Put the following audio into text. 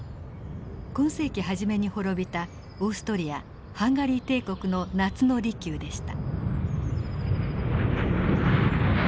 今世紀初めに滅びたオーストリア＝ハンガリー帝国の夏の離宮でした。